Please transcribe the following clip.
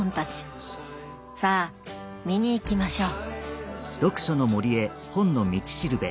さあ見に行きましょう。